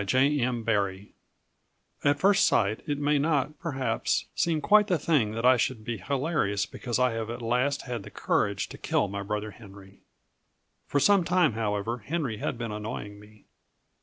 J. M. BARRIE. At first sight it may not, perhaps, seem quite the thing that I should be hilarious because I have at last had the courage to kill my brother Henry. For some time, however, Henry had been annoying me.